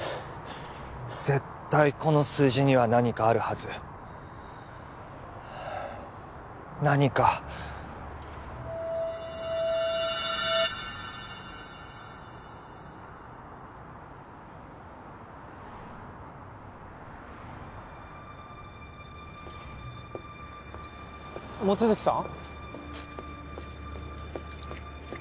絶対この数字には何かあるはず何か望月さん？